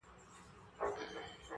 تاريخ د درد شاهد پاتې کيږي,